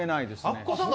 アッコさん